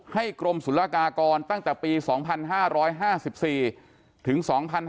กรมศุลกากรตั้งแต่ปี๒๕๕๔ถึง๒๕๕๙